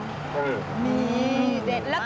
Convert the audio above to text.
ดีเด็ดมาก